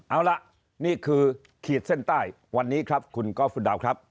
เอาล่ะนี่คือขีดเส้นใต้วันนี้ครับคุณกอล์ฟคุณดาวครับ